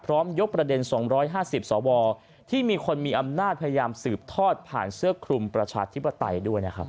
ยกประเด็น๒๕๐สวที่มีคนมีอำนาจพยายามสืบทอดผ่านเสื้อคลุมประชาธิปไตยด้วยนะครับ